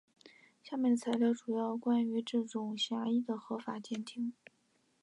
下面的材料主要是关于这种狭义的合法监听。